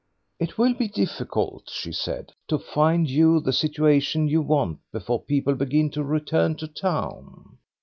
"It will be difficult," she said, "to find you the situation you want before people begin to return to town.